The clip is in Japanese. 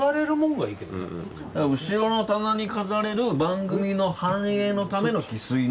後ろの棚に飾れる番組の繁栄のためのヒスイの。